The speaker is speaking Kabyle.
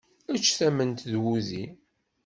Ečč tamment d wudi!